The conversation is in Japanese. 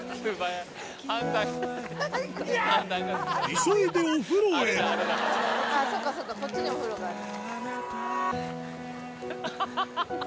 急いでお風呂へそっかそっかこっちにお風呂があるんだ。